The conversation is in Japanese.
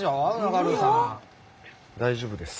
大丈夫です。